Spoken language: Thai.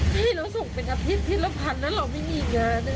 คือพี่เราส่งเป็นอภิกษ์พิธีรพรรณนะเราไม่มีงาน